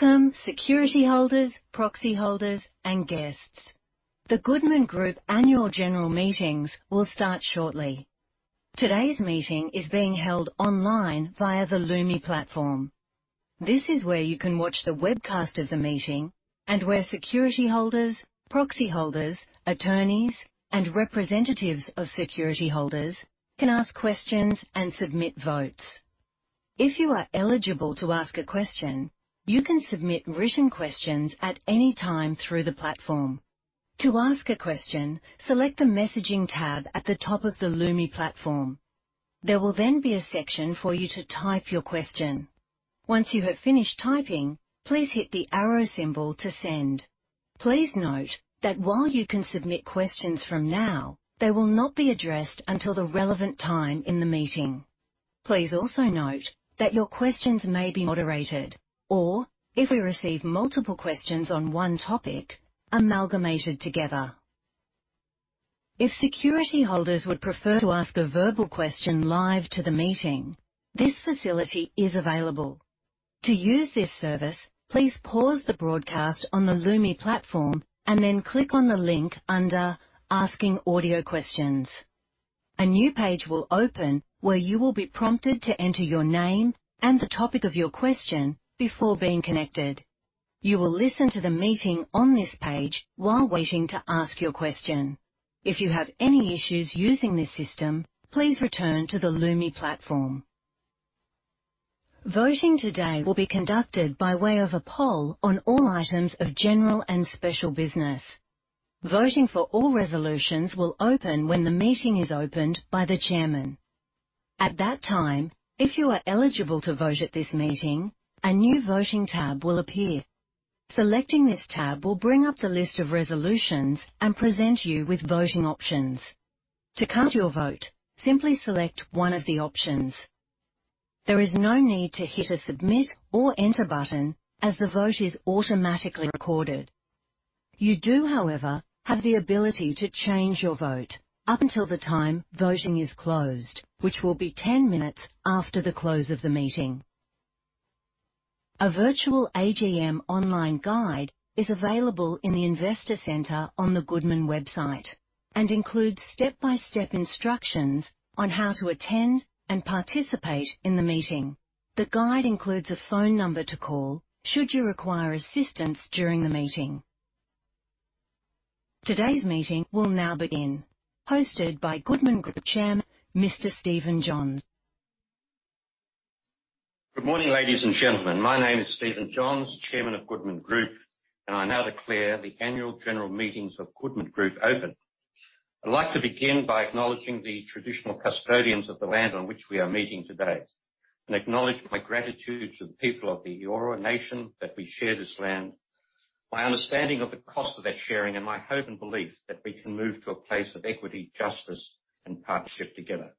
Welcome security holders, proxy holders, and guests. The Goodman Group annual general meetings will start shortly. Today's meeting is being held online via the Lumi platform. This is where you can watch the webcast of the meeting and where security holders, proxy holders, attorneys, and representatives of security holders can ask questions and submit votes. If you are eligible to ask a question, you can submit written questions at any time through the platform. To ask a question, select the messaging tab at the top of the Lumi platform. There will then be a section for you to type your question. Once you have finished typing, please hit the arrow symbol to send. Please note that while you can submit questions from now, they will not be addressed until the relevant time in the meeting. Please also note that your questions may be moderated or, if we receive multiple questions on one topic, amalgamated together. If security holders would prefer to ask a verbal question live to the meeting, this facility is available. To use this service, please pause the broadcast on the Lumi platform and then click on the link under Asking Audio Questions. A new page will open where you will be prompted to enter your name and the topic of your question before being connected. You will listen to the meeting on this page while waiting to ask your question. If you have any issues using this system, please return to the Lumi platform. Voting today will be conducted by way of a poll on all items of general and special business. Voting for all resolutions will open when the meeting is opened by the chairman. At that time, if you are eligible to vote at this meeting, a new voting tab will appear. Selecting this tab will bring up the list of resolutions and present you with voting options. To cast your vote, simply select one of the options. There is no need to hit a submit or enter button as the vote is automatically recorded. You do, however, have the ability to change your vote up until the time voting is closed, which will be 10 minutes after the close of the meeting. A virtual AGM online guide is available in the investor center on the Goodman website and includes step-by-step instructions on how to attend and participate in the meeting. The guide includes a phone number to call should you require assistance during the meeting. Today's meeting will now begin, hosted by Goodman Group Chairman, Mr. Stephen Johns. Good morning, ladies and gentlemen. My name is Stephen Johns, Chairman of Goodman Group, and I now declare the annual general meetings of Goodman Group open. I'd like to begin by acknowledging the traditional custodians of the land on which we are meeting today, and acknowledge my gratitude to the people of the Eora Nation, that we share this land. My understanding of the cost of that sharing, and my hope and belief that we can move to a place of equity, justice and partnership together.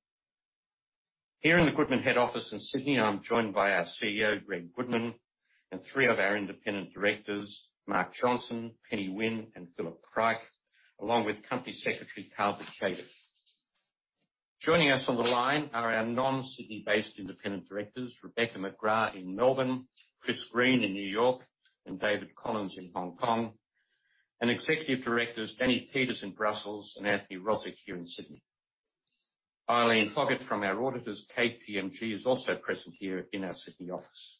Here in the Goodman head office in Sydney, I'm joined by our CEO, Greg Goodman, and three of our Independent Directors, Mark Johnson, Penny Winn, and Philip Pryke, along with Company Secretary, Carl Bicego. Joining us on the line are our non-Sydney-based Independent Directors, Rebecca McGrath in Melbourne, Chris Green in New York, and David Collins in Hong Kong. Executive Directors Danny Peeters in Brussels and Anthony Rozic here in Sydney. Eileen Hoggett from our auditors, KPMG, is also present here in our Sydney office.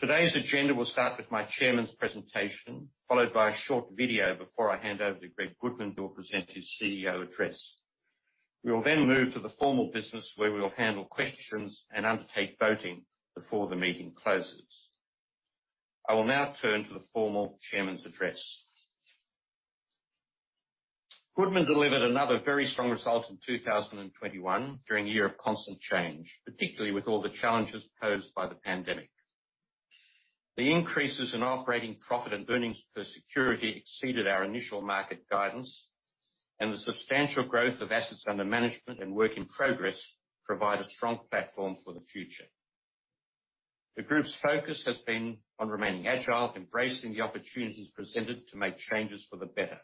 Today's agenda will start with my Chairman's presentation, followed by a short video before I hand over to Greg Goodman, who will present his CEO Address. We will then move to the formal business, where we will handle questions and undertake voting before the meeting closes. I will now turn to the formal Chairman's address. Goodman delivered another very strong result in 2021 during a year of constant change, particularly with all the challenges posed by the pandemic. The increases in operating profit and earnings per security exceeded our initial market guidance, and the substantial growth of assets under management and work in progress provide a strong platform for the future. The group's focus has been on remaining agile, embracing the opportunities presented to make changes for the better.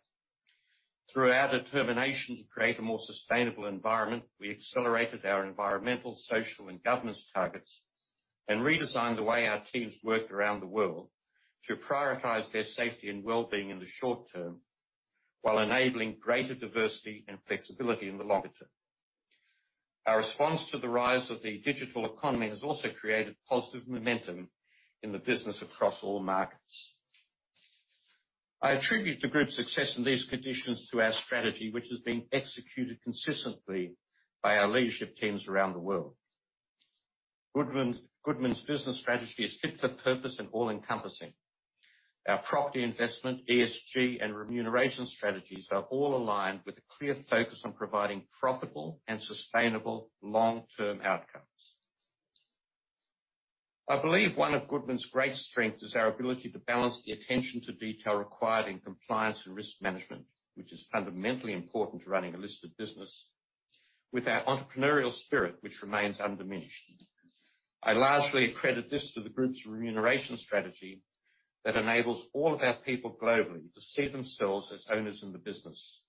Through our determination to create a more sustainable environment, we accelerated our environmental, social and governance targets and redesigned the way our teams worked around the world to prioritize their safety and well-being in the short term, while enabling greater diversity and flexibility in the longer term. Our response to the rise of the digital economy has also created positive momentum in the business across all markets. I attribute the group's success in these conditions to our strategy, which has been executed consistently by our leadership teams around the world. Goodman's business strategy is fit for purpose and all-encompassing. Our property investment, ESG and remuneration strategies are all aligned with a clear focus on providing profitable and sustainable long-term outcomes. I believe one of Goodman's great strengths is our ability to balance the attention to detail required in compliance and risk management, which is fundamentally important to running a listed business with our entrepreneurial spirit, which remains undiminished. I largely accredit this to the group's remuneration strategy that enables all of our people globally to see themselves as owners in the business,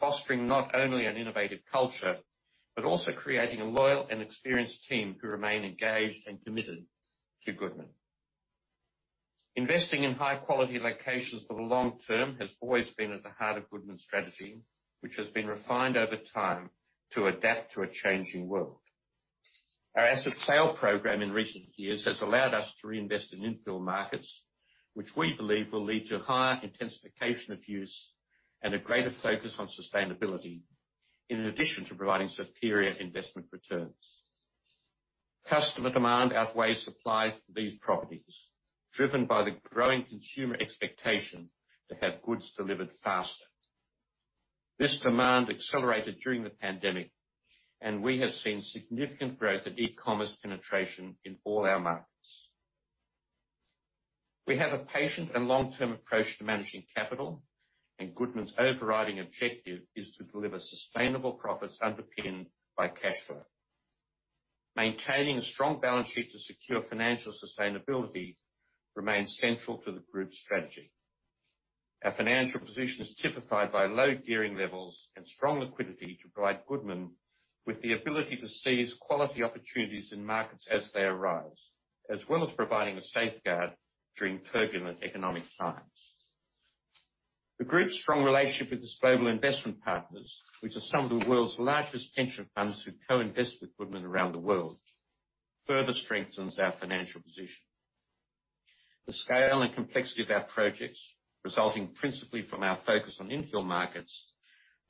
fostering not only an innovative culture, but also creating a loyal and experienced team who remain engaged and committed to Goodman. Investing in high quality locations for the long term has always been at the heart of Goodman's strategy, which has been refined over time to adapt to a changing world. Our asset sale program in recent years has allowed us to reinvest in infill markets, which we believe will lead to higher intensification of use and a greater focus on sustainability, in addition to providing superior investment returns. Customer demand outweighs supply to these properties, driven by the growing consumer expectation to have goods delivered faster. This demand accelerated during the pandemic, and we have seen significant growth in e-commerce penetration in all our markets. We have a patient and long-term approach to managing capital, and Goodman's overriding objective is to deliver sustainable profits underpinned by cash flow. Maintaining a strong balance sheet to secure financial sustainability remains central to the group's strategy. Our financial position is typified by low gearing levels and strong liquidity to provide Goodman with the ability to seize quality opportunities in markets as they arise, as well as providing a safeguard during turbulent economic times. The group's strong relationship with its global investment partners, which are some of the world's largest pension funds who co-invest with Goodman around the world, further strengthens our financial position. The scale and complexity of our projects, resulting principally from our focus on infill markets,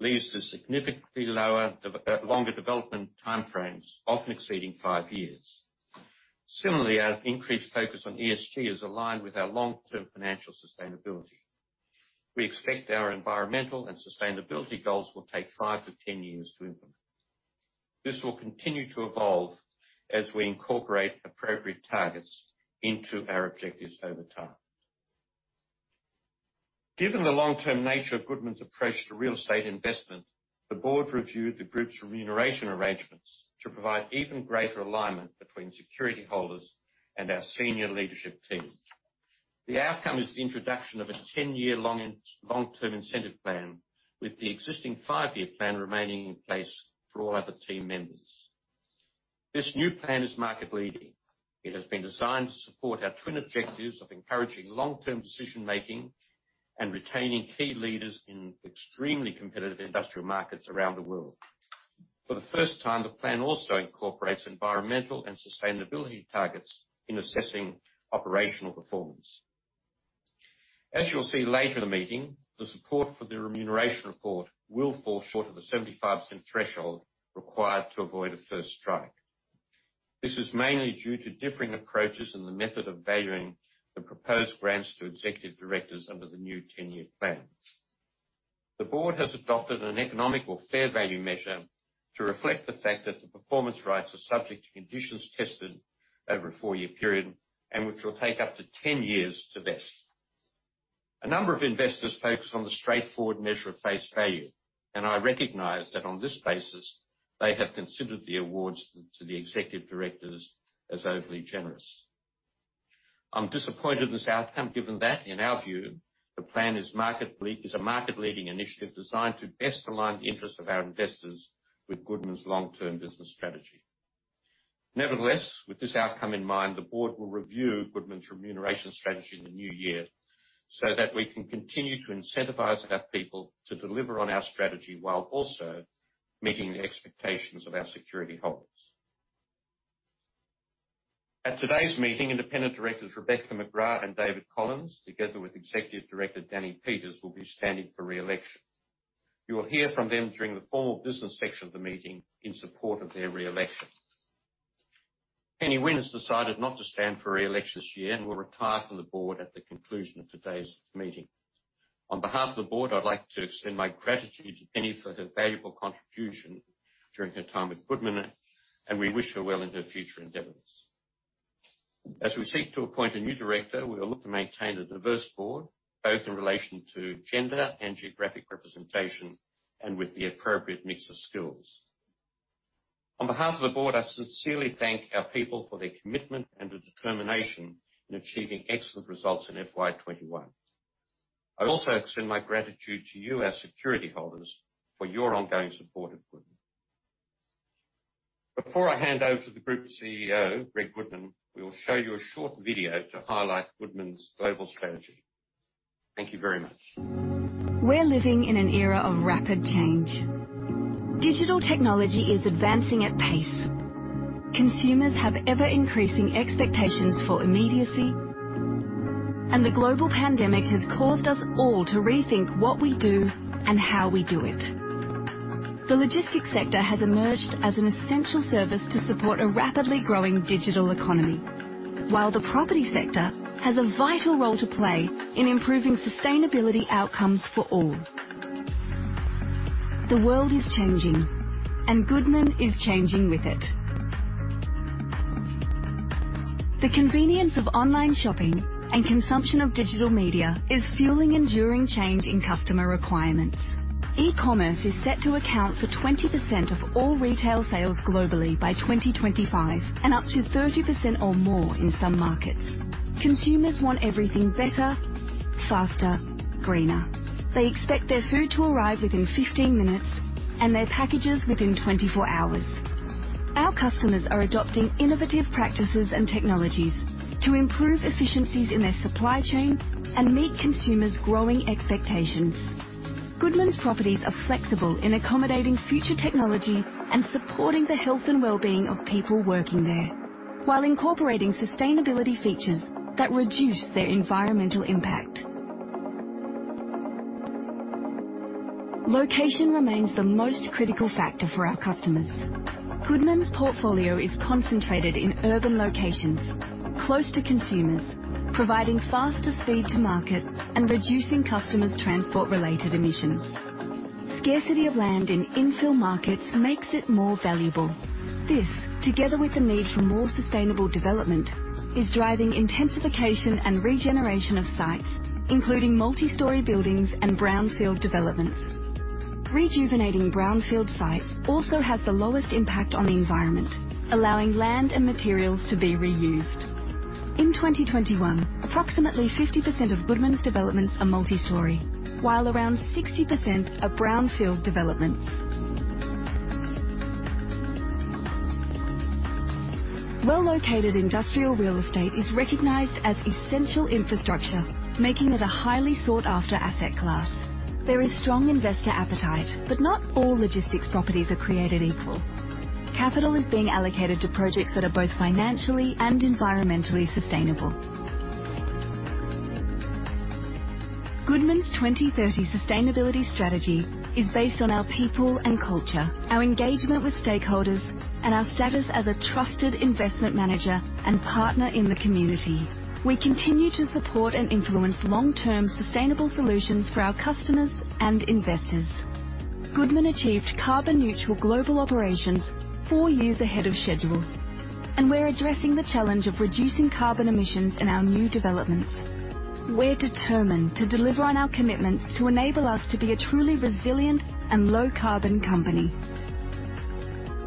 leads to significantly longer development time frames, often exceeding five years. Similarly, our increased focus on ESG is aligned with our long-term financial sustainability. We expect our environmental and sustainability goals will take five-10 years to implement. This will continue to evolve as we incorporate appropriate targets into our objectives over time. Given the long-term nature of Goodman's approach to real estate investment, the board reviewed the group's remuneration arrangements to provide even greater alignment between security holders and our senior leadership team. The outcome is the introduction of a 10-year long-term incentive plan with the existing five-year plan remaining in place for all other team members. This new plan is market-leading. It has been designed to support our twin objectives of encouraging long-term decision-making and retaining key leaders in extremely competitive industrial markets around the world. For the first time, the plan also incorporates environmental and sustainability targets in assessing operational performance. As you will see later in the meeting, the support for the remuneration report will fall short of the 75% threshold required to avoid a first strike. This is mainly due to differing approaches in the method of valuing the proposed grants to executive directors under the new 10-year plan. The Board has adopted an economic or fair value measure to reflect the fact that the performance rights are subject to conditions tested over a 4-year period, and which will take up to 10 years to vest. A number of investors focus on the straightforward measure of face value, and I recognize that on this basis, they have considered the awards to the executive directors as overly generous. I'm disappointed in this outcome, given that, in our view, the plan is a market-leading initiative designed to best align the interests of our investors with Goodman's long-term business strategy. Nevertheless, with this outcome in mind, the board will review Goodman's remuneration strategy in the new year so that we can continue to incentivize our people to deliver on our strategy while also meeting the expectations of our security holders. At today's meeting, Independent Directors Rebecca McGrath and David Collins, together with Executive Director Danny Peeters, will be standing for re-election. You will hear from them during the formal business section of the meeting in support of their re-election. Penny Winn has decided not to stand for re-election this year and will retire from the board at the conclusion of today's meeting. On behalf of the board, I'd like to extend my gratitude to Penny for her valuable contribution during her time with Goodman, and we wish her well in her future endeavors. As we seek to appoint a new director, we will look to maintain a diverse board, both in relation to gender and geographic representation, and with the appropriate mix of skills. On behalf of the board, I sincerely thank our people for their commitment and the determination in achieving excellent results in FY 2021. I also extend my gratitude to you, our security holders, for your ongoing support of Goodman. Before I hand over to the Group CEO, Greg Goodman, we will show you a short video to highlight Goodman's global strategy. Thank you very much. We're living in an era of rapid change. Digital technology is advancing at pace. Consumers have ever-increasing expectations for immediacy, and the global pandemic has caused us all to rethink what we do and how we do it. The logistics sector has emerged as an essential service to support a rapidly growing digital economy, while the property sector has a vital role to play in improving sustainability outcomes for all. The world is changing, and Goodman is changing with it. The convenience of online shopping and consumption of digital media is fueling enduring change in customer requirements. E-commerce is set to account for 20% of all retail sales globally by 2025, and up to 30% or more in some markets. Consumers want everything better, faster, greener. They expect their food to arrive within 15 minutes and their packages within 24 hours. Our customers are adopting innovative practices and technologies to improve efficiencies in their supply chain and meet consumers' growing expectations. Goodman's properties are flexible in accommodating future technology and supporting the health and well-being of people working there while incorporating sustainability features that reduce their environmental impact. Location remains the most critical factor for our customers. Goodman's portfolio is concentrated in urban locations close to consumers, providing faster speed to market and reducing customers' transport-related emissions. Scarcity of land in infill markets makes it more valuable. This, together with the need for more sustainable development, is driving intensification and regeneration of sites, including multi-story buildings and brownfield developments. Rejuvenating brownfield sites also has the lowest impact on the environment, allowing land and materials to be reused. In 2021, approximately 50% of Goodman's developments are multi-story, while around 60% are brownfield developments. Well-located industrial real estate is recognized as essential infrastructure, making it a highly sought-after asset class. There is strong investor appetite, but not all logistics properties are created equal. Capital is being allocated to projects that are both financially and environmentally sustainable. Goodman's 2030 sustainability strategy is based on our people and culture, our engagement with stakeholders, and our status as a trusted investment manager and partner in the community. We continue to support and influence long-term sustainable solutions for our customers and investors. Goodman achieved carbon neutral global operations four years ahead of schedule, and we're addressing the challenge of reducing carbon emissions in our new developments. We're determined to deliver on our commitments to enable us to be a truly resilient and low carbon company.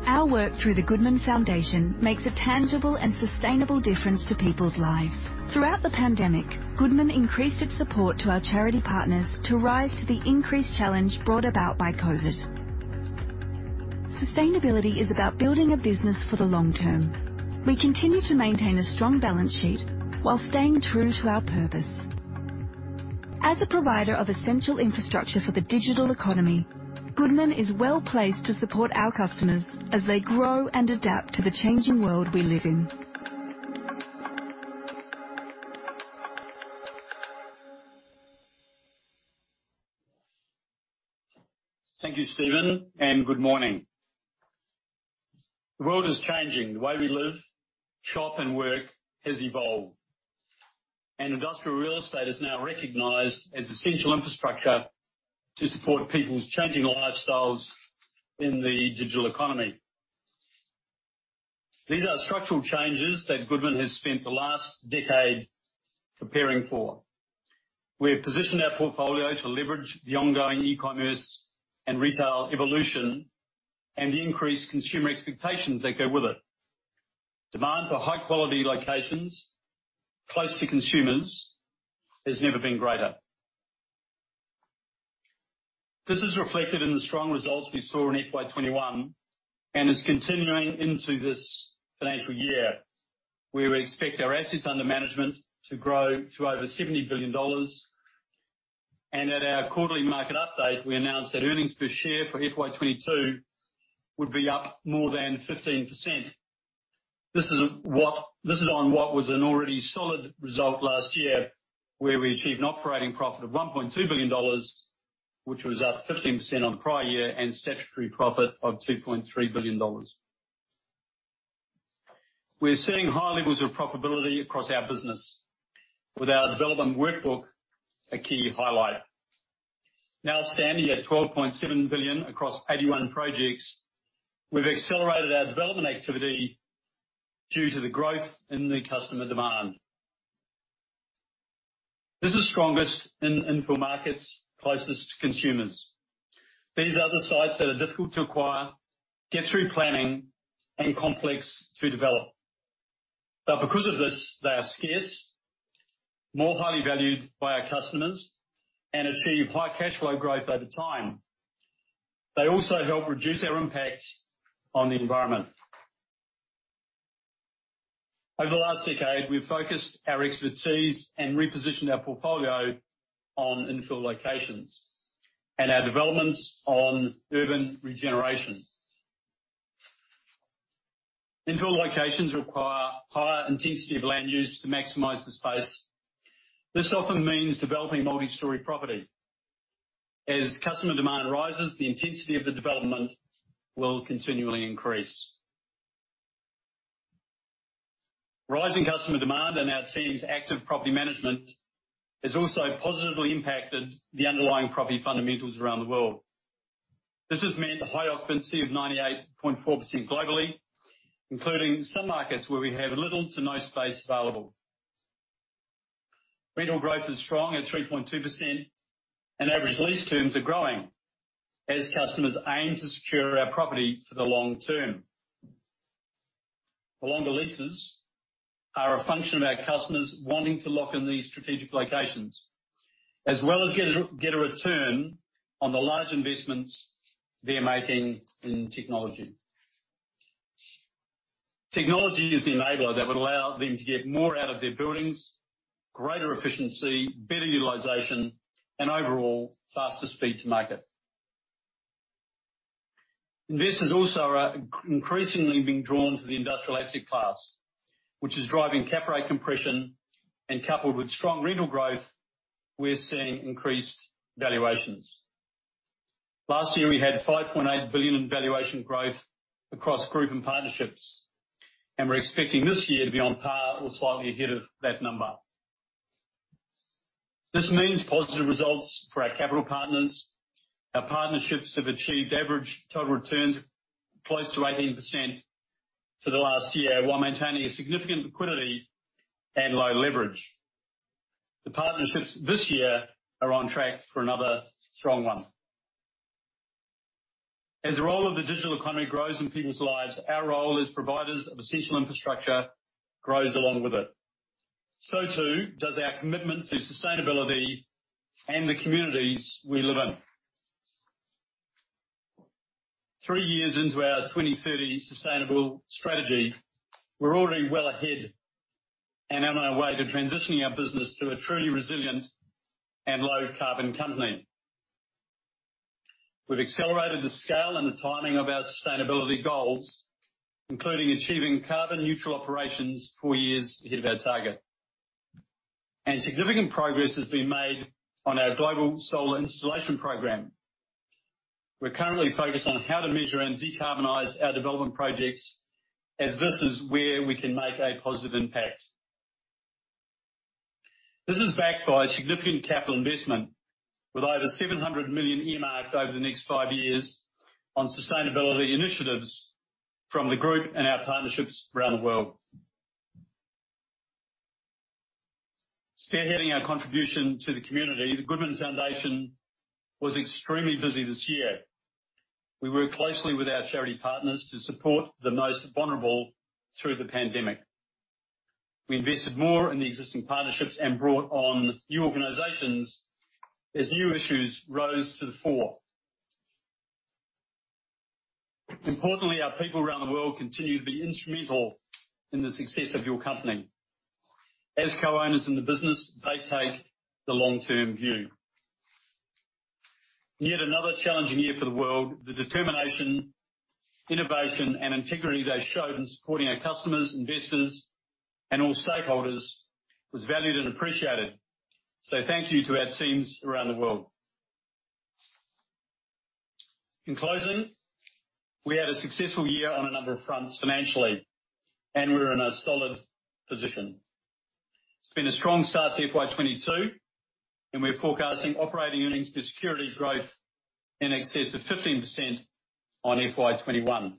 Our work through the Goodman Foundation makes a tangible and sustainable difference to people's lives. Throughout the pandemic, Goodman increased its support to our charity partners to rise to the increased challenge brought about by COVID. Sustainability is about building a business for the long term. We continue to maintain a strong balance sheet while staying true to our purpose. As a provider of essential infrastructure for the digital economy, Goodman is well placed to support our customers as they grow and adapt to the changing world we live in. Thank you, Stephen, and good morning. The world is changing. The way we live, shop, and work has evolved, and industrial real estate is now recognized as essential infrastructure to support people's changing lifestyles in the digital economy. These are structural changes that Goodman has spent the last decade preparing for. We have positioned our portfolio to leverage the ongoing e-commerce and retail evolution and the increased consumer expectations that go with it. Demand for high-quality locations close to consumers has never been greater. This is reflected in the strong results we saw in FY 2021 and is continuing into this financial year, where we expect our assets under management to grow to over 70 billion dollars. At our quarterly market update, we announced that earnings per share for FY 2022 would be up more than 15%. This is on what was an already solid result last year, where we achieved an operating profit of 1.2 billion dollars, which was up 15% on prior year and statutory profit of 2.3 billion dollars. We're seeing high levels of profitability across our business. With our development workbook a key highlight, now standing at 12.7 billion across 81 projects, we've accelerated our development activity due to the growth in the customer demand. This is strongest in infill markets closest to consumers. These are the sites that are difficult to acquire, get through planning, and complex to develop. Because of this, they are scarce, more highly valued by our customers, and achieve high cash flow growth over time. They also help reduce our impact on the environment. Over the last decade, we've focused our expertise and repositioned our portfolio on infill locations and our developments on urban regeneration. Infill locations require higher intensity of land use to maximize the space. This often means developing multi-story property. As customer demand rises, the intensity of the development will continually increase. Rising customer demand and our team's active property management has also positively impacted the underlying property fundamentals around the world. This has meant a high occupancy of 98.4% globally, including some markets where we have little to no space available. Rental growth is strong at 3.2% and average lease terms are growing as customers aim to secure our property for the long term. The longer leases are a function of our customers wanting to lock in these strategic locations as well as get a return on the large investments they are making in technology. Technology is the enabler that would allow them to get more out of their buildings, greater efficiency, better utilization, and overall faster speed to market. Investors also are increasingly being drawn to the industrial asset class, which is driving cap rate compression and coupled with strong rental growth, we're seeing increased valuations. Last year, we had 5.8 billion in valuation growth across group and partnerships, and we're expecting this year to be on par or slightly ahead of that number. This means positive results for our capital partners. Our partnerships have achieved average total returns close to 18% for the last year while maintaining significant liquidity and low leverage. The partnerships this year are on track for another strong one. As the role of the digital economy grows in people's lives, our role as providers of essential infrastructure grows along with it. Too does our commitment to sustainability and the communities we live in. Three years into our 2030 sustainable strategy, we're already well ahead and on our way to transitioning our business to a truly resilient and low carbon company. We've accelerated the scale and the timing of our sustainability goals, including achieving carbon neutral operations four years ahead of our target. Significant progress has been made on our global solar installation program. We're currently focused on how to measure and decarbonize our development projects as this is where we can make a positive impact. This is backed by significant capital investment with over 700 million earmarked over the next five years on sustainability initiatives from the group and our partnerships around the world. Spearheading our contribution to the community, the Goodman Foundation was extremely busy this year. We worked closely with our charity partners to support the most vulnerable through the pandemic. We invested more in the existing partnerships and brought on new organizations as new issues rose to the fore. Importantly, our people around the world continue to be instrumental in the success of your company. As co-owners in the business, they take the long term view. Yet another challenging year for the world, the determination, innovation and integrity they showed in supporting our customers, investors and all stakeholders was valued and appreciated. Thank you to our teams around the world. In closing, we had a successful year on a number of fronts financially, and we're in a solid position. It's been a strong start to FY 2022, and we're forecasting operating earnings per security growth in excess of 15% on FY 2021.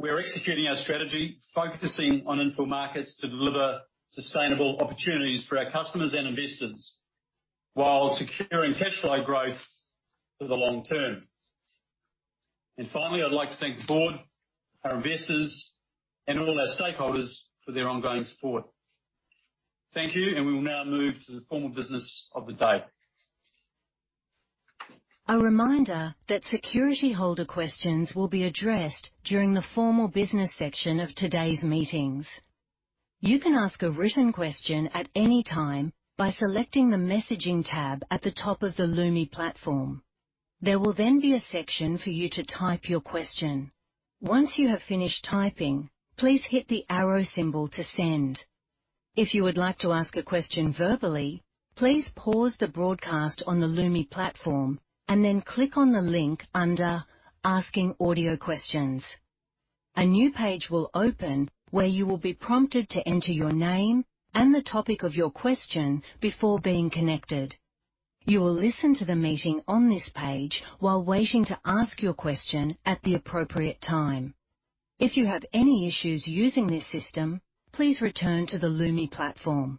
We are executing our strategy, focusing on industrial markets to deliver sustainable opportunities for our customers and investors while securing cash flow growth for the long term. Finally, I'd like to thank the board, our investors, and all our stakeholders for their ongoing support. Thank you, and we will now move to the formal business of the day. A reminder that security holder questions will be addressed during the formal business section of today's meetings. You can ask a written question at any time by selecting the messaging tab at the top of the Lumi platform. There will then be a section for you to type your question. Once you have finished typing, please hit the arrow symbol to send. If you would like to ask a question verbally, please pause the broadcast on the Lumi platform and then click on the link under asking audio questions. A new page will open where you will be prompted to enter your name and the topic of your question before being connected. You will listen to the meeting on this page while waiting to ask your question at the appropriate time. If you have any issues using this system, please return to the Lumi platform.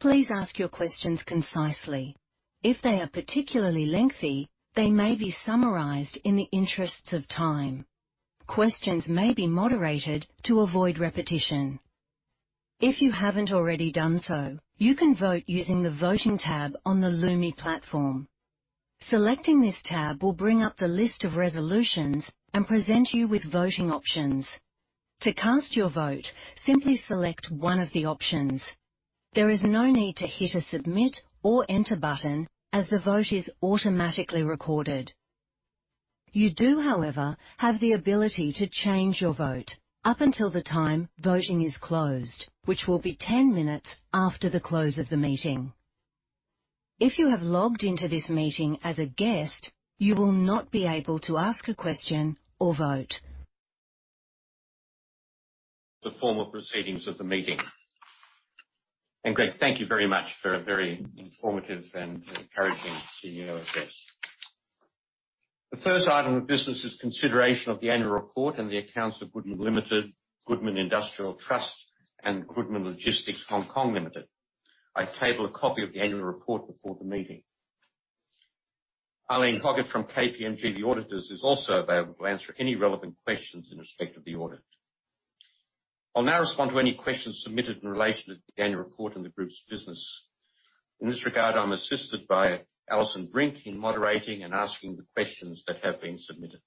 Please ask your questions concisely. If they are particularly lengthy, they may be summarized in the interests of time. Questions may be moderated to avoid repetition. If you haven't already done so, you can vote using the voting tab on the Lumi platform. Selecting this tab will bring up the list of resolutions and present you with voting options. To cast your vote, simply select one of the options. There is no need to hit a submit or enter button as the vote is automatically recorded. You do, however, have the ability to change your vote up until the time voting is closed, which will be 10 minutes after the close of the meeting. If you have logged into this meeting as a guest, you will not be able to ask a question or vote. The formal proceedings of the meeting. Greg, thank you very much for a very informative and encouraging CEO address. The first item of business is consideration of the annual report and the accounts of Goodman Limited, Goodman Industrial Trust, and Goodman Logistics Hong Kong Limited. I table a copy of the annual report before the meeting. Eilene Hoggett from KPMG, the auditors, is also available to answer any relevant questions in respect of the audit. I'll now respond to any questions submitted in relation to the annual report and the group's business. In this regard, I'm assisted by Alison Brink in moderating and asking the questions that have been submitted.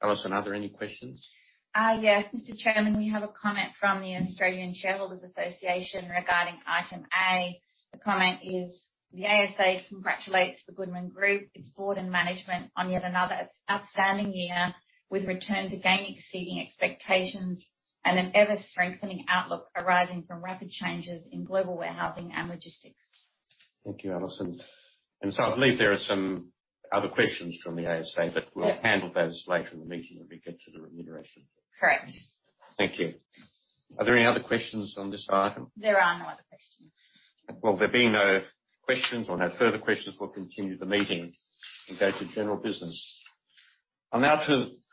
Alison, are there any questions? Yes, Mr. Chairman. We have a comment from the Australian Shareholders' Association regarding item A. The comment is, the ASA congratulates the Goodman Group, its board, and management on yet another outstanding year with returns again exceeding expectations and an ever-strengthening outlook arising from rapid changes in global warehousing and logistics. Thank you, Alison. I believe there are some other questions from the ASA. Yeah. We'll handle those later in the meeting when we get to the remuneration. Correct. Thank you. Are there any other questions on this item? There are no other questions. Well, there being no questions or no further questions, we'll continue the meeting and go to general business. I'll now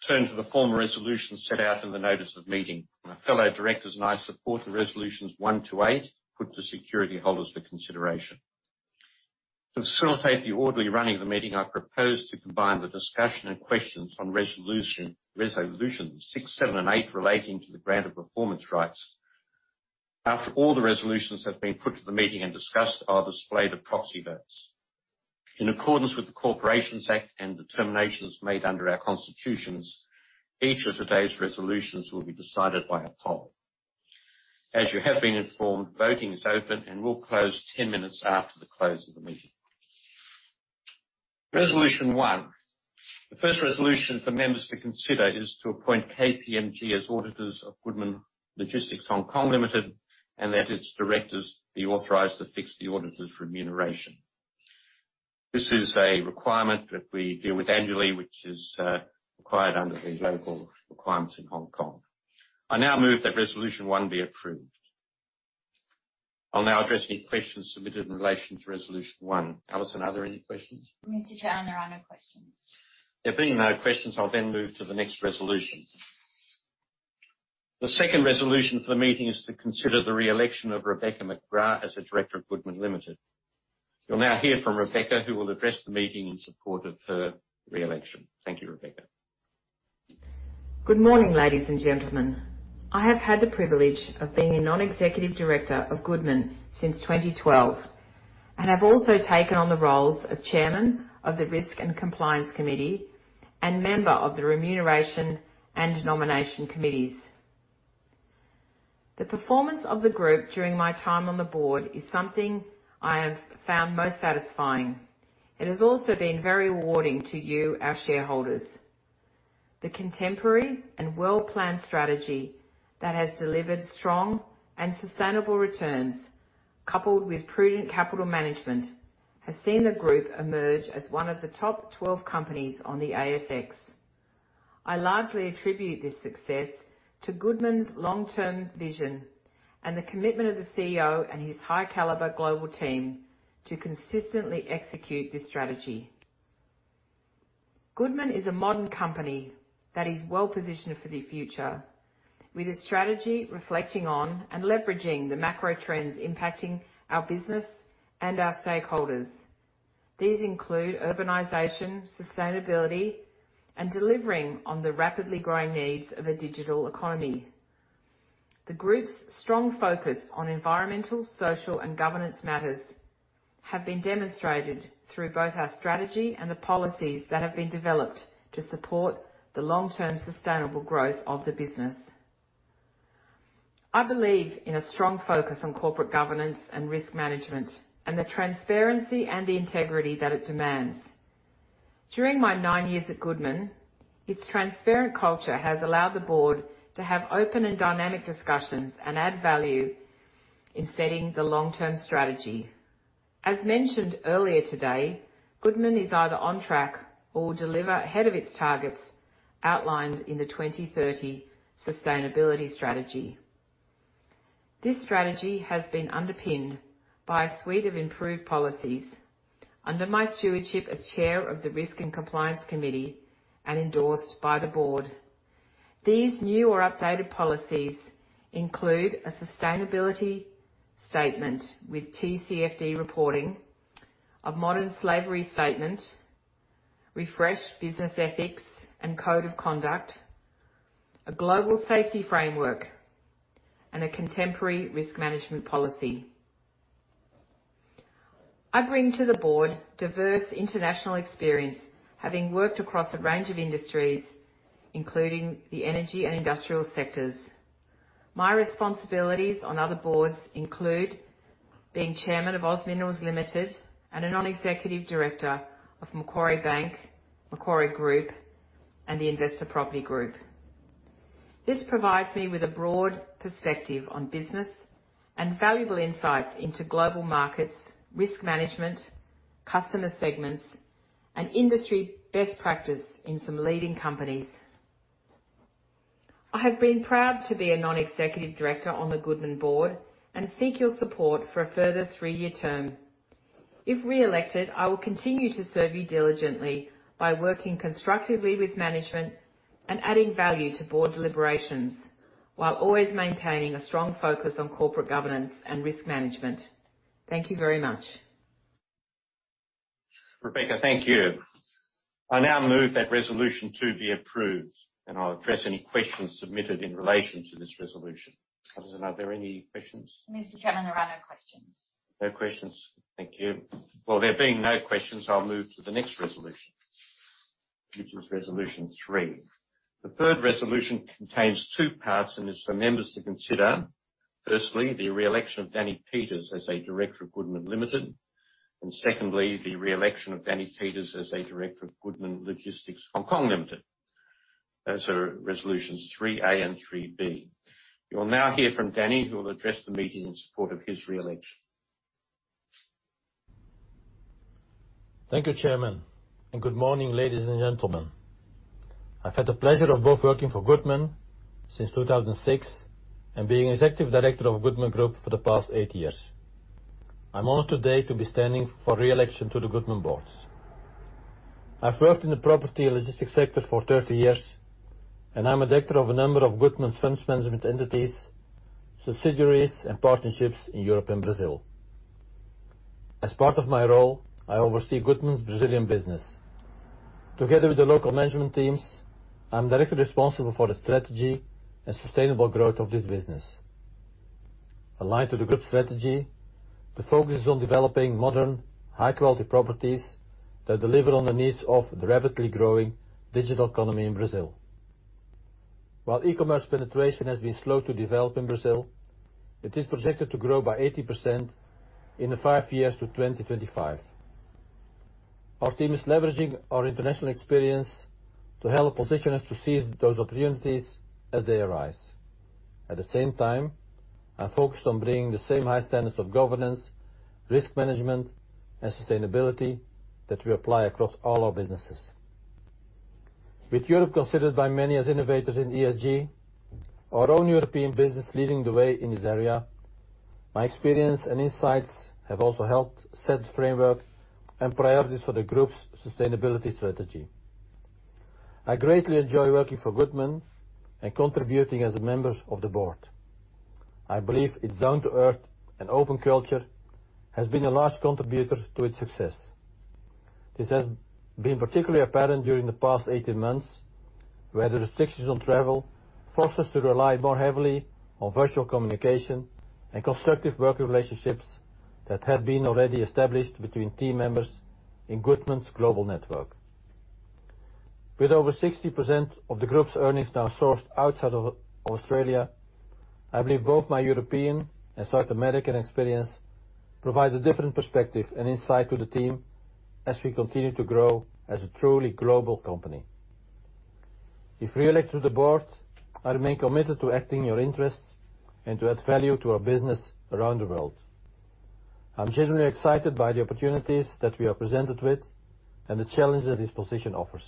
turn to the formal resolution set out in the notice of meeting. My fellow directors and I support the resolutions one to eight put to security holders for consideration. To facilitate the orderly running of the meeting, I propose to combine the discussion and questions on resolutions six, seven, and eight relating to the grant of performance rights. After all the resolutions have been put to the meeting and discussed, I'll display the proxy votes. In accordance with the Corporations Act and determinations made under our constitutions, each of today's resolutions will be decided by a poll. As you have been informed, voting is open and will close 10 minutes after the close of the meeting. Resolution one. The first resolution for members to consider is to appoint KPMG as auditors of Goodman Logistics Hong Kong Limited, and that its directors be authorized to fix the auditors' remuneration. This is a requirement that we deal with annually, which is required under the local requirements in Hong Kong. I now move that resolution one be approved. I'll now address any questions submitted in relation to resolution one. Alison, are there any questions? Mr. Chairman, there are no questions. There being no questions, I'll then move to the next resolution. The second resolution for the meeting is to consider the reelection of Rebecca McGrath as a director of Goodman Limited. You'll now hear from Rebecca, who will address the meeting in support of her reelection. Thank you, Rebecca. Good morning, ladies and gentlemen. I have had the privilege of being a non-executive director of Goodman since 2012, and I've also taken on the roles of Chairman of the Risk and Compliance Committee and member of the Remuneration and Nomination Committees. The performance of the group during my time on the board is something I have found most satisfying. It has also been very rewarding to you, our shareholders. The contemporary and well-planned strategy that has delivered strong and sustainable returns coupled with prudent capital management, has seen the group emerge as one of the top 12 companies on the ASX. I largely attribute this success to Goodman's long-term vision and the commitment of the CEO and his high caliber global team to consistently execute this strategy. Goodman is a modern company that is well-positioned for the future, with a strategy reflecting on and leveraging the macro trends impacting our business and our stakeholders. These include urbanization, sustainability, and delivering on the rapidly growing needs of a digital economy. The group's strong focus on environmental, social, and governance matters have been demonstrated through both our strategy and the policies that have been developed to support the long-term sustainable growth of the business. I believe in a strong focus on corporate governance and risk management and the transparency and the integrity that it demands. During my nine years at Goodman, its transparent culture has allowed the board to have open and dynamic discussions and add value in setting the long-term strategy. As mentioned earlier today, Goodman is either on track or will deliver ahead of its targets outlined in the 2030 sustainability strategy. This strategy has been underpinned by a suite of improved policies under my stewardship as Chair of the Risk and Compliance Committee and endorsed by the board. These new or updated policies include a sustainability statement with TCFD reporting, a modern slavery statement, refreshed business ethics and code of conduct, a global safety framework, and a contemporary risk management policy. I bring to the board diverse international experience, having worked across a range of industries, including the energy and industrial sectors. My responsibilities on other boards include being Chairman of OZ Minerals Limited and a Non-Executive Director of Macquarie Bank, Macquarie Group, and the Investa Property Group. This provides me with a broad perspective on business and valuable insights into global markets, risk management, customer segments, and industry best practice in some leading companies. I have been proud to be a non-executive director on the Goodman board and seek your support for a further three-year term. If reelected, I will continue to serve you diligently by working constructively with management and adding value to board deliberations, while always maintaining a strong focus on corporate governance and risk management. Thank you very much. Rebecca, thank you. I now move that resolution to be approved, and I'll address any questions submitted in relation to this resolution. Alison, are there any questions? Mr. Chairman, there are no questions. No questions. Thank you. Well, there being no questions, I'll move to the next resolution. Which is resolution three. The third resolution contains two parts, and is for members to consider, firstly, the reelection of Danny Peeters as a Director of Goodman Limited. Secondly, the reelection of Danny Peeters as a Director of Goodman Logistics (HK) Limited. Those are resolutions IIIA and IIIB. You'll now hear from Danny, who will address the meeting in support of his reelection. Thank you, Chairman. Good morning, ladies and gentlemen. I've had the pleasure of both working for Goodman since 2006 and being Executive Director of Goodman Group for the past 8 years. I'm honored today to be standing for reelection to the Goodman boards. I've worked in the property logistics sector for 30 years, and I'm a director of a number of Goodman's funds management entities, subsidiaries, and partnerships in Europe and Brazil. As part of my role, I oversee Goodman's Brazilian business. Together with the local management teams, I'm directly responsible for the strategy and sustainable growth of this business. Aligned to the group strategy, the focus is on developing modern, high-quality properties that deliver on the needs of the rapidly growing digital economy in Brazil. While e-commerce penetration has been slow to develop in Brazil, it is projected to grow by 80% in the five years to 2025. Our team is leveraging our international experience to help position us to seize those opportunities as they arise. At the same time, I'm focused on bringing the same high standards of governance, risk management, and sustainability that we apply across all our businesses. With Europe considered by many as innovators in ESG, our own European business leading the way in this area, my experience and insights have also helped set the framework and priorities for the group's sustainability strategy. I greatly enjoy working for Goodman and contributing as a member of the board. I believe its down-to-earth and open culture has been a large contributor to its success. This has been particularly apparent during the past 18 months, where the restrictions on travel forced us to rely more heavily on virtual communication and constructive working relationships that had been already established between team members in Goodman's global network. With over 60% of the group's earnings now sourced outside of Australia, I believe both my European and South American experience provide a different perspective and insight to the team as we continue to grow as a truly global company. If re-elected to the board, I remain committed to acting in your interests and to add value to our business around the world. I'm genuinely excited by the opportunities that we are presented with and the challenges this position offers.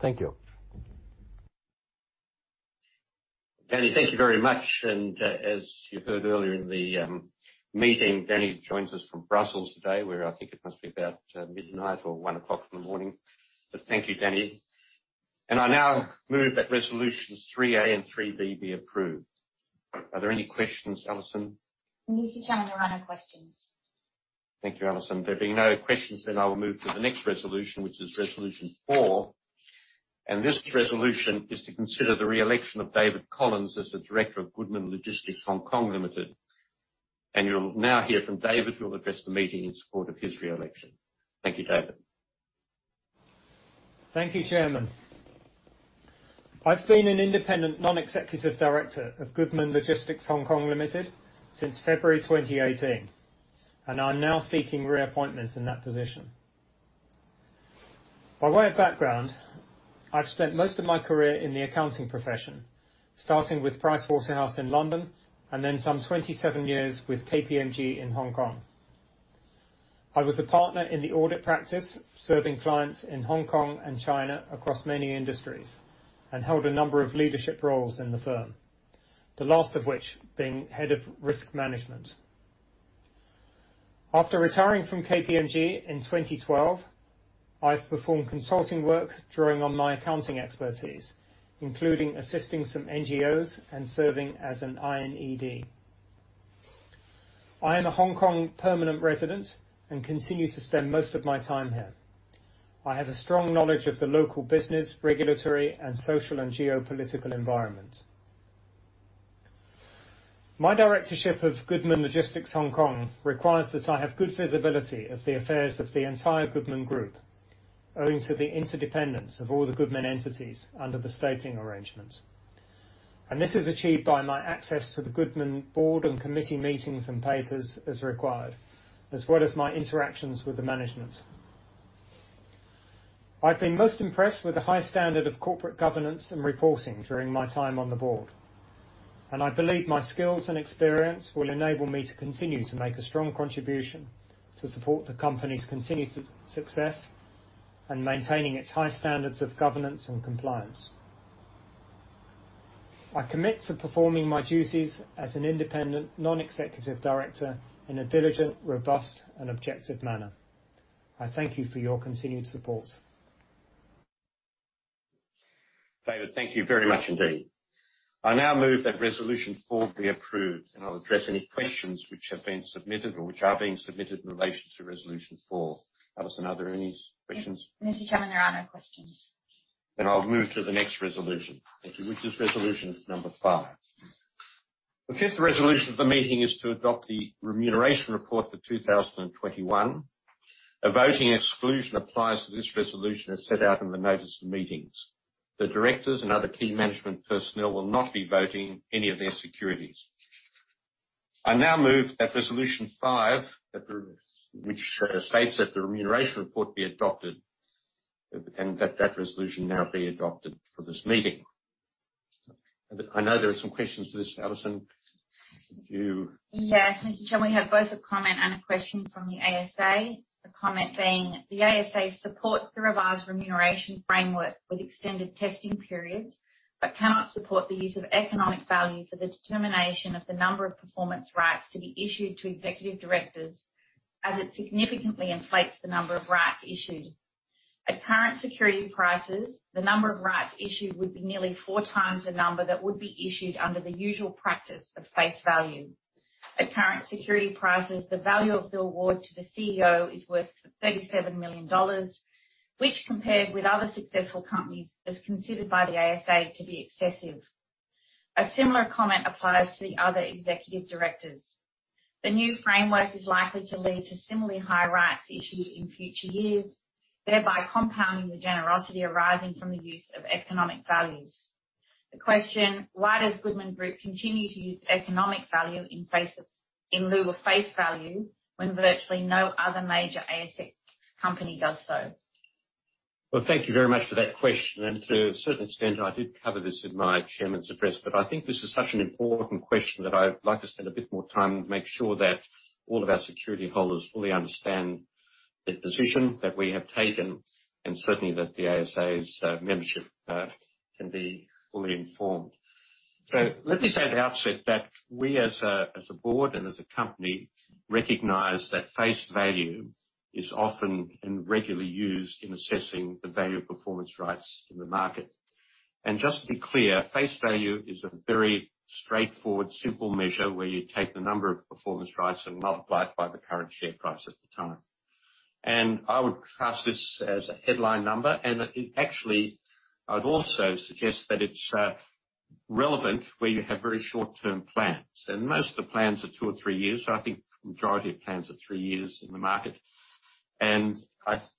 Thank you. Danny, thank you very much. As you heard earlier in the meeting, Danny joins us from Brussels today, where I think it must be about midnight or one o'clock in the morning. Thank you, Danny. I now move that resolutions IIIA and IIIB be approved. Are there any questions, Alison? Mr. Chairman, there are no questions. Thank you, Alison. There being no questions then I will move to the next resolution, which is resolution four. This resolution is to consider the reelection of David Collins as a Director of Goodman Logistics (HK) Limited. You'll now hear from David, who will address the meeting in support of his reelection. Thank you, David. Thank you, Chairman. I've been an independent non-executive director of Goodman Logistics Hong Kong Limited since February 2018, and I'm now seeking reappointment in that position. By way of background, I've spent most of my career in the accounting profession, starting with PricewaterhouseCoopers in London and then some 27 years with KPMG in Hong Kong. I was a partner in the audit practice, serving clients in Hong Kong and China across many industries, and held a number of leadership roles in the firm, the last of which being Head of Risk Management. After retiring from KPMG in 2012, I've performed consulting work drawing on my accounting expertise, including assisting some NGOs and serving as an INED. I am a Hong Kong permanent resident and continue to spend most of my time here. I have a strong knowledge of the local business, regulatory, and social and geopolitical environment. My directorship of Goodman Logistics Hong Kong requires that I have good visibility of the affairs of the entire Goodman Group, owing to the interdependence of all the Goodman entities under the stapling arrangement. This is achieved by my access to the Goodman Board and committee meetings and papers as required, as well as my interactions with the Management. I've been most impressed with the high standard of corporate governance and reporting during my time on the Board. I believe my skills and experience will enable me to continue to make a strong contribution to support the company's continued success and maintaining its high standards of governance and compliance. I commit to performing my duties as an Independent Non-Executive Director in a diligent, robust and objective manner. I thank you for your continued support. David, thank you very much indeed. I now move that resolution four be approved, and I'll address any questions which have been submitted or which are being submitted in relation to resolution four. Alison, are there any questions? Mr. Chairman, there are no questions. I'll move to the next resolution. Thank you. Which is resolution number five. The fifth resolution of the meeting is to adopt the remuneration report for 2021. A voting exclusion applies to this resolution as set out in the notice of meetings. The directors and other key management personnel will not be voting any of their securities. I now move that resolution five states that the remuneration report be adopted, and that resolution now be adopted for this meeting. I know there are some questions to this. Alison, could you? Yes, Mr. Chairman. We have both a comment and a question from the ASA. The comment being, the ASA supports the revised remuneration framework with extended testing periods, but cannot support the use of economic value for the determination of the number of performance rights to be issued to executive directors, as it significantly inflates the number of rights issued. At current security prices, the number of rights issued would be nearly 4 times the number that would be issued under the usual practice of face value. At current security prices, the value of the award to the CEO is worth 37 million dollars, which, compared with other successful companies, is considered by the ASA to be excessive. A similar comment applies to the other executive directors. The new framework is likely to lead to similarly high rights issues in future years, thereby compounding the generosity arising from the use of economic values. The question. Why does Goodman Group continue to use economic value in the face of, in lieu of face value, when virtually no other major ASX company does so? Well, thank you very much for that question, and to a certain extent, I did cover this in my chairman's address, but I think this is such an important question that I'd like to spend a bit more time and make sure that all of our security holders fully understand the position that we have taken and certainly that the ASA's membership can be fully informed. Let me say at the outset that we as a board and as a company recognize that face value is often and regularly used in assessing the value of performance rights in the market. Just to be clear, face value is a very straightforward, simple measure where you take the number of performance rights and multiply it by the current share price at the time. I would class this as a headline number, and actually, I'd also suggest that it's relevant where you have very short-term plans. Most of the plans are two or three years. I think the majority of plans are three years in the market.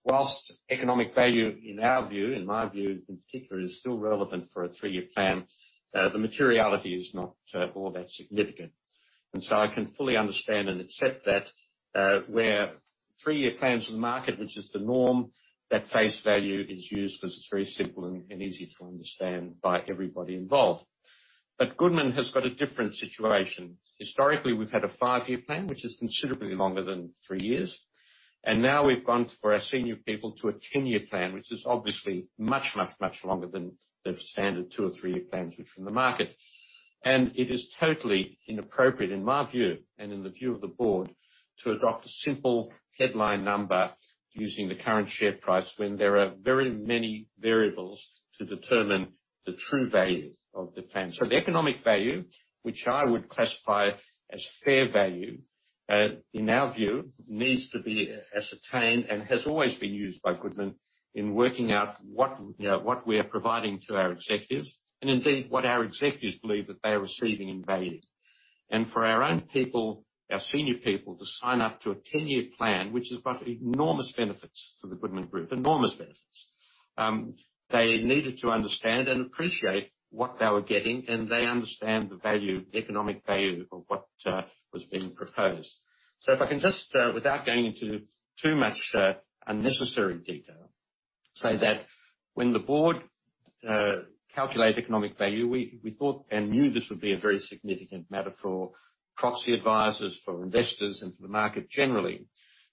Whilst economic value in our view, in my view in particular, is still relevant for a three-year plan, the materiality is not all that significant. I can fully understand and accept that, where three-year plans in the market, which is the norm, that face value is used because it's very simple and easy to understand by everybody involved. Goodman has got a different situation. Historically, we've had a five-year plan, which is considerably longer than three years. Now we've gone for our senior people to a 10-year plan, which is obviously much, much, much longer than the standard two or three-year plans which are in the market. It is totally inappropriate, in my view, and in the view of the board, to adopt a simple headline number using the current share price when there are very many variables to determine the true value of the plan. The economic value, which I would classify as fair value, in our view, needs to be ascertained and has always been used by Goodman in working out what, you know, what we are providing to our executives, and indeed what our executives believe that they are receiving in value. For our own people, our senior people, to sign up to a 10-year plan, which has got enormous benefits for the Goodman Group, enormous benefits, they needed to understand and appreciate what they were getting, and they understand the value, economic value of what was being proposed. If I can just, without going into too much unnecessary detail, say that when the board calculated economic value, we thought and knew this would be a very significant matter for proxy advisors, for investors, and for the market generally,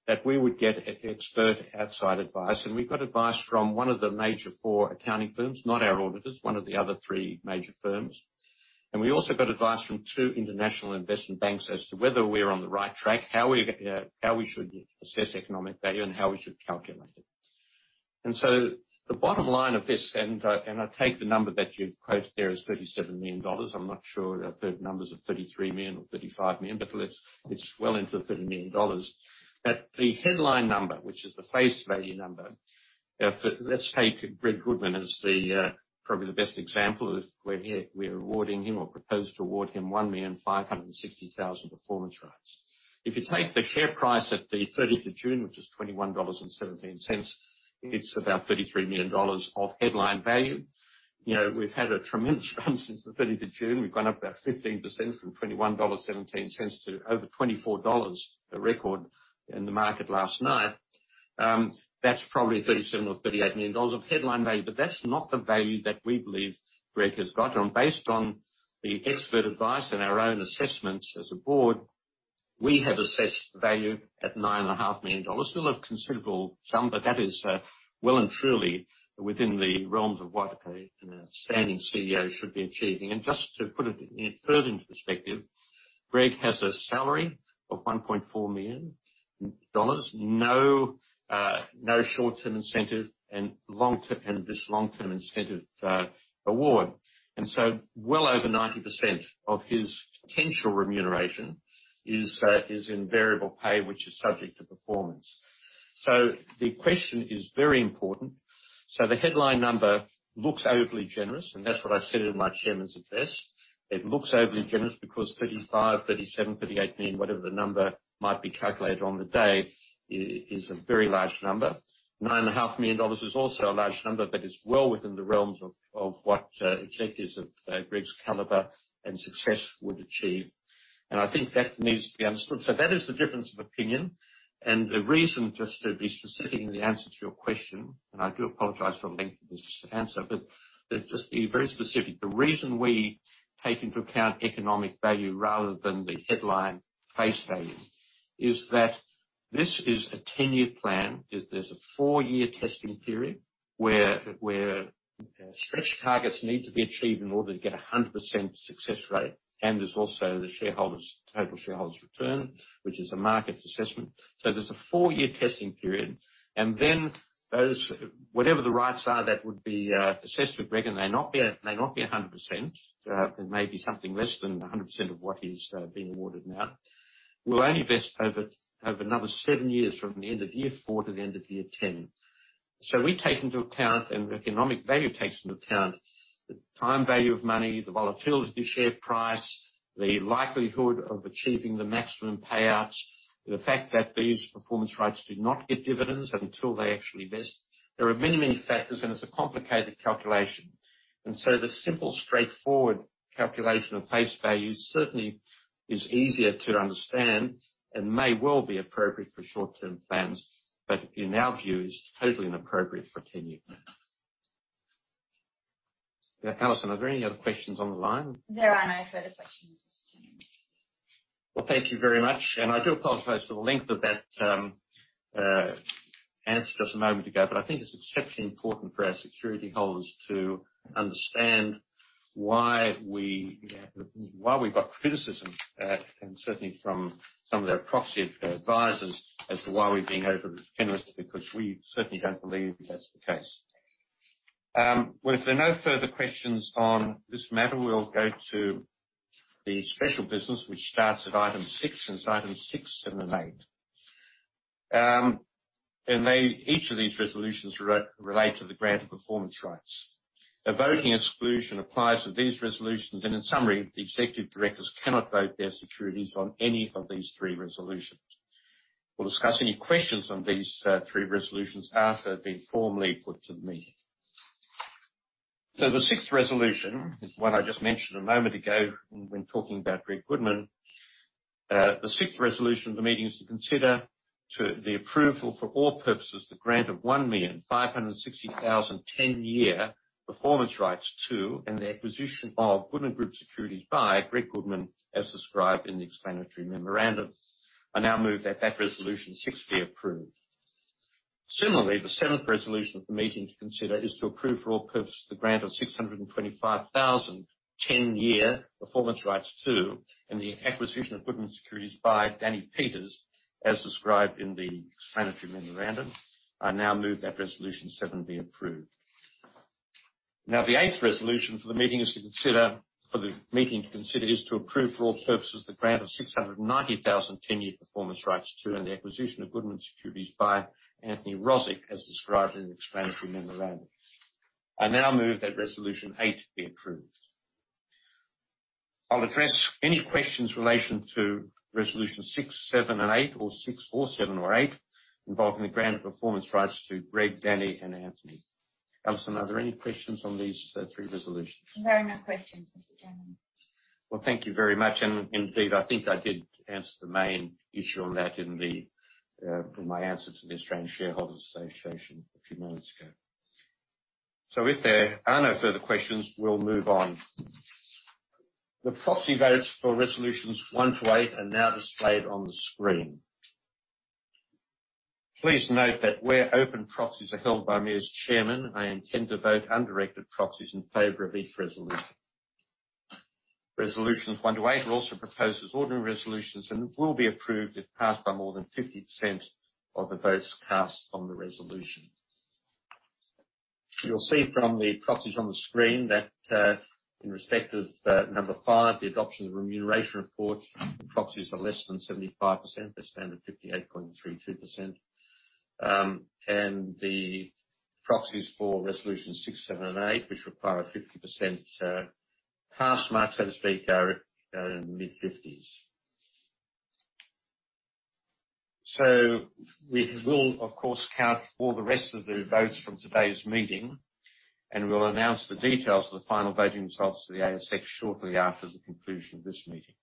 that we would get expert outside advice. We got advice from one of the major four accounting firms, not our auditors, one of the other three major firms. We also got advice from two international investment banks as to whether we're on the right track, you know, how we should assess economic value and how we should calculate it. The bottom line of this, and I take the number that you've quoted there as 37 million dollars. I'm not sure if the numbers are 33 million or 35 million, but let's it's well into 30 million dollars. That the headline number, which is the face value number, let's take Greg Goodman as the probably the best example of where here we're awarding him or proposed to award him 1,560,000 performance rights. If you take the share price at the 30th of June, which is 21.17 dollars, it's about 33 million dollars of headline value. You know, we've had a tremendous run since the thirtieth of June. We've gone up about 15% from 21.17 dollars to over 24 dollars, a record in the market last night. That's probably 37 million or 38 million dollars of headline value, but that's not the value that we believe Greg has got. Based on the expert advice and our own assessments as a board, we have assessed the value at 9.5 million dollars. Still a considerable sum, but that is well and truly within the realms of what an outstanding CEO should be achieving. Just to put it in further into perspective, Greg has a salary of 1.4 million dollars. No short-term incentive and long-term incentive award. Well over 90% of his potential remuneration is in variable pay, which is subject to performance. The question is very important. The headline number looks overly generous, and that's what I said in my chairman's address. It looks overly generous because 35 million, 37 million, 38 million, whatever the number might be calculated on the day, is a very large number. 9.5 million dollars is also a large number that is well within the realms of what executives of Greg's caliber and success would achieve. I think that needs to be understood. That is the difference of opinion and the reason, just to be specific in the answer to your question, and I do apologize for the length of this answer, but just to be very specific, the reason we take into account economic value rather than the headline face value is that this is a 10-year plan. There's a four-year testing period where stretch targets need to be achieved in order to get a 100% success rate. There's also the shareholders total shareholder return, which is a market assessment. There's a four-year testing period and then those, whatever the rights are that would be assessed with Greg, and they may not be 100%, it may be something less than 100% of what is being awarded now, will only vest over another seven years from the end of year four to the end of year 10. We take into account, and economic value takes into account the time value of money, the share price volatility, the likelihood of achieving the maximum payouts, the fact that these performance rights do not get dividends until they actually vest. There are many, many factors, and it's a complicated calculation. The simple, straightforward calculation of face value certainly is easier to understand and may well be appropriate for short-term plans, but in our view is totally inappropriate for a ten-year plan. Alison, are there any other questions on the line? There are no further questions, Mr. Chairman. Well, thank you very much. I do apologize for the length of that answer just a moment ago, but I think it's exceptionally important for our security holders to understand why we, why we've got criticism, and certainly from some of our proxy advisors as to why we're being over generous because we certainly don't believe that's the case. Well, if there are no further questions on this matter, we'll go to the special business which starts at item six. It's item six, seven, and eight. They, each of these resolutions relate to the grant of performance rights. A voting exclusion applies to these resolutions, and in summary, the executive directors cannot vote their securities on any of these three resolutions. We'll discuss any questions on these three resolutions after they're formally put to the meeting. The sixth resolution is one I just mentioned a moment ago when talking about Greg Goodman. The sixth resolution of the meeting is to consider the approval for all purposes the grant of 1,560,000 10-year performance rights to, and the acquisition of Goodman Group securities by Greg Goodman as described in the explanatory memorandum. I now move that resolution six be approved. Similarly, the seventh resolution of the meeting to consider is to approve for all purposes the grant of 625,000 10-year performance rights to, and the acquisition of Goodman securities by Danny Peeters, as described in the explanatory memorandum. I now move that resolution seven be approved. Now, the eighth resolution for the meeting is to approve for all purposes the grant of 690,000 10-year performance rights to, and the acquisition of Goodman securities by Anthony Rozic as described in the explanatory memorandum. I now move that resolution eight be approved. I'll address any questions in relation to resolution six, seven, and eight or six or seven or eight involving the grant of performance rights to Greg, Danny, and Anthony. Alison, are there any questions on these three resolutions? There are no questions, Mr. Chairman. Well, thank you very much. Indeed, I think I did answer the main issue on that in my answer to the Australian Shareholders' Association a few moments ago. If there are no further questions, we'll move on. The proxy votes for resolutions one to eight are now displayed on the screen. Please note that where open proxies are held by me as chairman, I intend to vote undirected proxies in favor of each resolution. Resolutions one to eight are also proposed as ordinary resolutions and will be approved if passed by more than 50% of the votes cast on the resolution. You'll see from the proxies on the screen that in respect of number five, the adoption of the remuneration report, proxies are less than 75%. They're standing at 58.32%. The proxies for resolutions six, seven, and eight, which require 50% pass mark, so to speak, are in the mid-50s. We will, of course, count all the rest of the votes from today's meeting, and we'll announce the details of the final voting results to the ASX shortly after the conclusion of this meeting.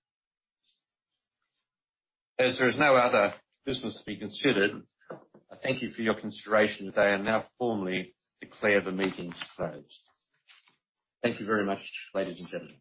As there is no other business to be considered, I thank you for your consideration today and now formally declare the meeting closed. Thank you very much, ladies and gentlemen.